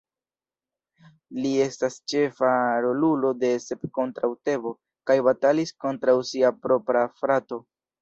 Li estis ĉefa rolulo de "Sep kontraŭ Tebo" kaj batalis kontraŭ sia propra frato.